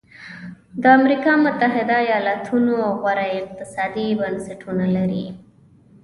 د امریکا متحده ایالتونو غوره اقتصادي بنسټونه لري.